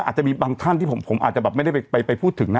อาจจะมีบางท่านที่ผมอาจจะแบบไม่ได้ไปพูดถึงนะ